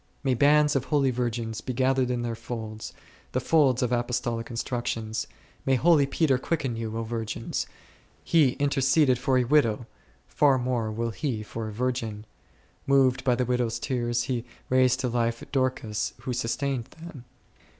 May bands of holy virgins be gathered in their folds, the folds of apostolic instructions! May holy Peter quicken you, O virgins; he interceded for a widow, far more will he for a virgin ; moved by the widows' tears he raised to life Dorcas who sustained them.